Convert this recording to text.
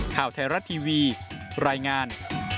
ข่าวไทยรัฐทีวีรายงาน